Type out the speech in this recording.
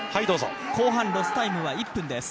後半、ロスタイムは１分です。